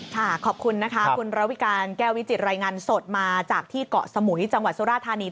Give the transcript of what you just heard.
ขอบคุณนะคะคุณระวิการแก้ววิจิตรายงานสดมาจากที่เกาะสมุยจังหวัดสุราธานี